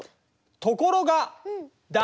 ところがだ。